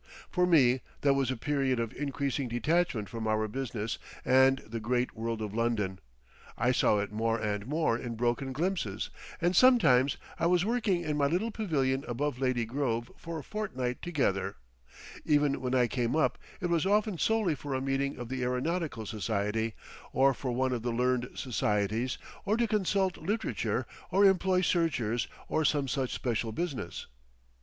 For me that was a period of increasing detachment from our business and the great world of London; I saw it more and more in broken glimpses, and sometimes I was working in my little pavilion above Lady Grove for a fortnight together; even when I came up it was often solely for a meeting of the aeronautical society or for one of the learned societies or to consult literature or employ searchers or some such special business.